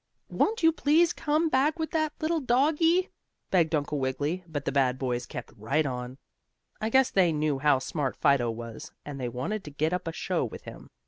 "Won't you please come back with that little doggie?" begged Uncle Wiggily, but the bad boys kept right on. I guess they knew how smart Fido was, and they wanted to get up a show with him.